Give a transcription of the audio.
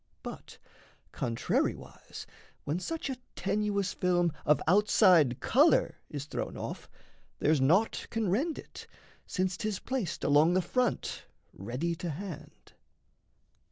But contrariwise, when such a tenuous film Of outside colour is thrown off, there's naught Can rend it, since 'tis placed along the front Ready to hand.